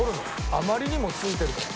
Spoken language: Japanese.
あまりにも付いてるから。